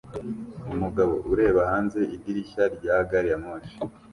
Umugabo ureba hanze idirishya rya gari ya moshi